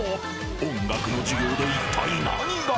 音楽の授業で一体、何が。